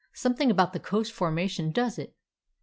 Something about the coast formation does it.